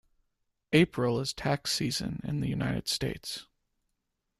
April is tax season in the United States.